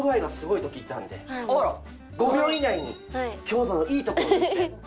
５秒以内に郷土のいいところを言って。